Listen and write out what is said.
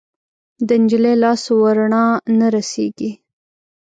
د نجلۍ لاس ورڼا نه رسیږي